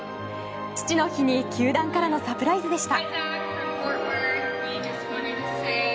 父の日に球団からのサプライズでした。